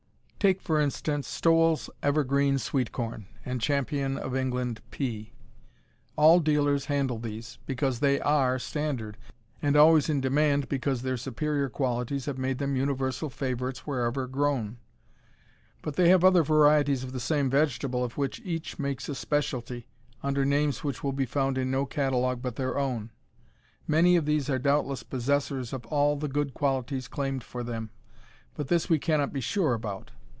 Take, for instance, Stowell's Evergreen sweet corn, and Champion of England pea. All dealers handle these, because they are standard, and always in demand because their superior qualities have made them universal favorites wherever grown. But they have other varieties of the same vegetable of which each makes a specialty, under names which will be found in no catalogue but their own. Many of these are doubtless possessors of all the good qualities claimed for them, but this we cannot be sure about.